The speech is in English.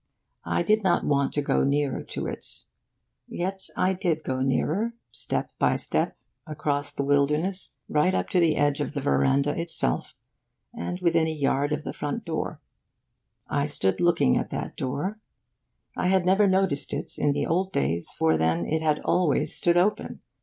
I did not want to go nearer to it; yet I did go nearer, step by step, across the wilderness, right up to the edge of the veranda itself, and within a yard of the front door. I stood looking at that door. I had never noticed it in the old days, for then it had always stood open.